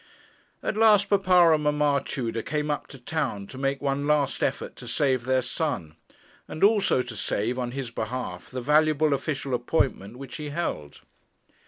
At last papa and mamma Tudor came up to town to make one last effort to save their son; and also to save, on his behalf, the valuable official appointment which he held.